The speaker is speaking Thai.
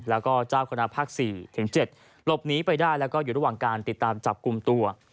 แล้วก็เจ้าคณะภาค๔๗หลบหนีไปได้แล้วก็อยู่ระหว่างการติดตามจับกลุ่มตัว